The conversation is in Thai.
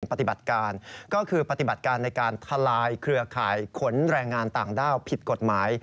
ปฏิบัติการก็คือปฏิบัติการในการทลายเครือข่ายขนแรงงานต่างด้าวผิดกฎหมาย